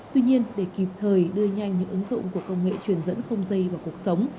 tuy nhiên để kịp thời đưa nhanh những ứng dụng của công nghệ truyền dẫn không dây vào cuộc sống